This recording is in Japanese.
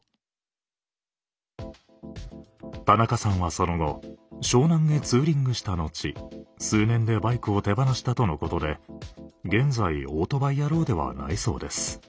田中さんはその後湘南へツーリングした後数年でバイクを手放したとのことで現在オートバイ野郎ではないそうです。